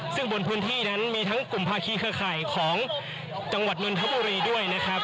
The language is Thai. ซึ่งบนพื้นที่นั้นมีทั้งกลุ่มภาคีเครือข่ายของจังหวัดนนทบุรีด้วยนะครับ